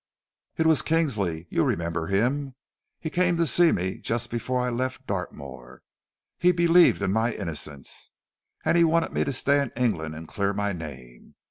"It was Kingsley. You remember him? He came to see me just before I left Dartmoor. He believed in my innocence, and he wanted me to stay in England and clear my name.